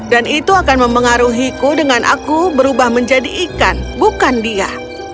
dan itu akan mempengaruhiku dengan aku berubah menjadi ikan bukan dia